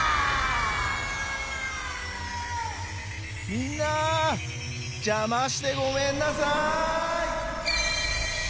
みんなじゃましてごめんなさい！